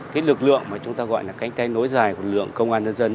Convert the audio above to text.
cái lực lượng mà chúng ta gọi là cánh tay nối dài của lượng công an nhân dân